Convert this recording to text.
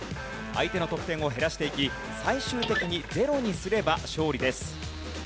相手の得点を減らしていき最終的にゼロにすれば勝利です。